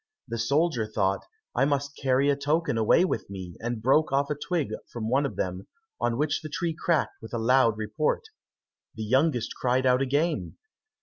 The soldier thought, "I must carry a token away with me," and broke off a twig from one of them, on which the tree cracked with a loud report. The youngest cried out again.